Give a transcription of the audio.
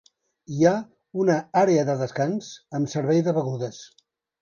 Hi ha una àrea de descans amb servei de begudes.